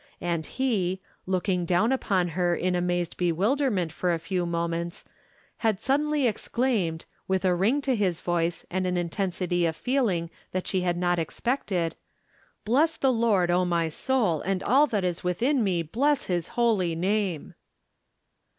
And he, looking down upon her in amazed bewilder ment for a few moments, had suddenly exclaimed, with a ring to his voice, and an intensity of feel ing that she had not expected :" Bless the Lord, O my soul, and all that is within me bless his holy name